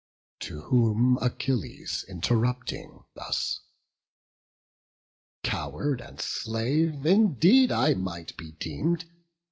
To whom Achilles, interrupting, thus: "Coward and slave indeed I might be deem'd.